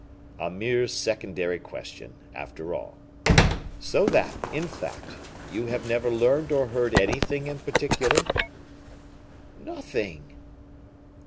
"A merely secondary question, after all. So that, in fact, you have never learned or heard anything in particular?" "Nothing."